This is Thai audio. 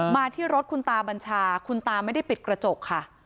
มาที่รถคุณตาบัญชาคุณตาไม่ได้ปิดกระจกค่ะ